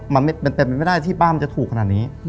มันเป็นไปไม่ได้ที่ป้ามันจะถูกขนาดนี้